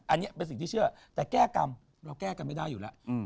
อันนี้เป็นสิ่งที่เชื่อแต่แก้กรรมเราแก้กันไม่ได้อยู่แล้ว